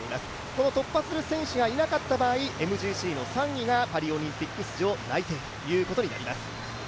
この突破する選手がいなかった場合、ＭＧＣの３位がパリオリンピック出場内定ということになります。